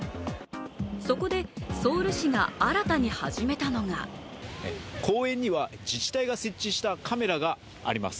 そこでソウル市が新たに始めたのが公園には自治体が設置したカメラがあります。